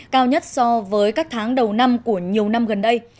cao nhất so với các tháng đầu năm của nhiều năm gần đây